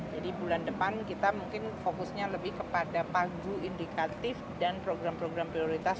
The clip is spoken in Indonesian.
jadi bulan depan kita mungkin fokusnya lebih kepada pagu indikatif dan program program prioritas